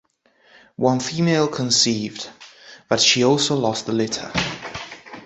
One female conceived, but she also lost the litter.